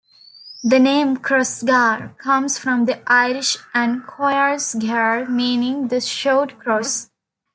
The name Crossgar comes from the Irish "An Chrois Ghearr" meaning "the short cross".